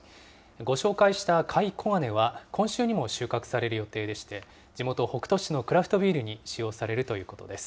ご紹介したカイコガネは今週にも収穫される予定でして、地元、北杜市のクラフトビールに使用されるということです。